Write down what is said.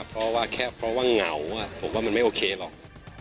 เพราะว่าแค่เพราะว่าเหงาผมว่ามันไม่โอเคหรอก